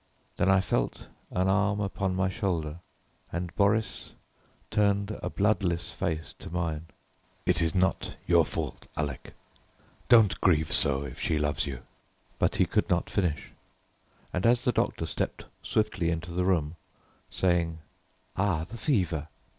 Then I felt an arm upon my shoulder, and Boris turned a bloodless face to mine. "It is not your fault, Alec; don't grieve so if she loves you " but he could not finish; and as the doctor stepped swiftly into the room, saying "Ah, the fever!"